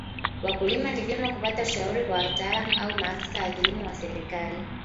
wakulima ni vyema kupata ushauri wa wataalam au maafisa wa kilimo wa serikali